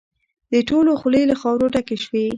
د ټولو خولې له خاورو ډکې شوې.